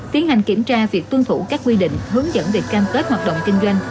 tiến hành kiểm tra việc tuân thủ các quy định hướng dẫn về cam kết hoạt động kinh doanh